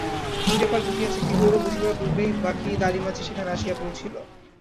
কি ব্যাপার ঘটিয়াছে, কি হইল, বুঝিবার পূর্বেই বাকি দাঁড়ি-মাঝি সেখানে আসিয়া পৌঁছিল।